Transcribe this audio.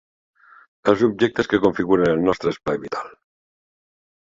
Els objectes que configuren el nostre espai vital.